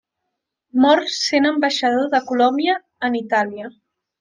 Mor sent ambaixador de Colòmbia en Itàlia.